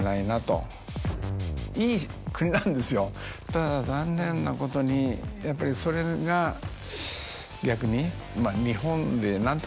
ただ残念なことにやっぱりそれが逆に。